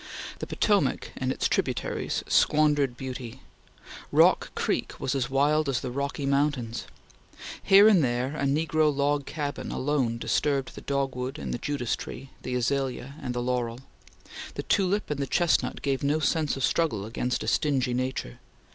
The Potomac and its tributaries squandered beauty. Rock Creek was as wild as the Rocky Mountains. Here and there a negro log cabin alone disturbed the dogwood and the judas tree, the azalea and the laurel. The tulip and the chestnut gave no sense of struggle against a stingy nature.